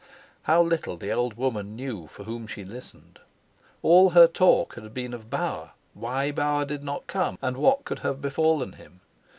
How little the old woman knew for whom she listened! All her talk had been of Bauer why Bauer did not come and what could have befallen him.